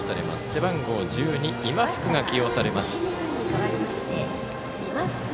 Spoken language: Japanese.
背番号１２、今福が起用されます。